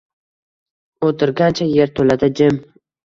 Oʻtirgancha yertoʻlada jim